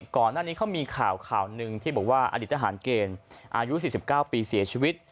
ก่อนหน้านี้เขามีข่าวข่าวหนึ่งที่บอกว่าอดีตทหารเกณฑ์อายุ๔๙ปีเสียชีวิต